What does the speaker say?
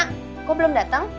kok belum datang